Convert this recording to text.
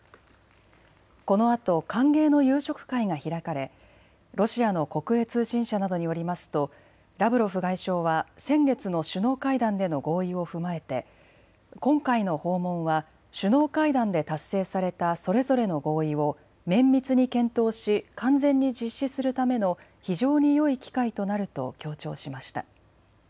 このあと歓迎の夕食会が開かれロシアの国営通信社などによりますとラブロフ外相は先月の首脳会談での合意を踏まえて今回の訪問は首脳会談で達成されたそれぞれの合意を綿密に検討し完全に実施するための非常によい機会となると強調しました。